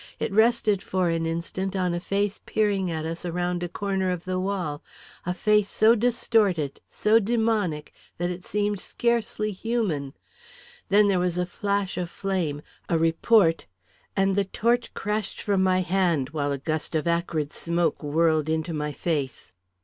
It rested for an instant on a face peering at us around a corner of the wall a face so distorted, so demoniac, that it seemed scarcely human. Then there was a flash of flame, a report, and the torch crashed from my hand, while a gust of acrid smoke whirled into my face.